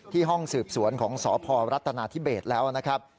ห้องสืบสวนของสพรัฐนาธิเบสแล้วนะครับ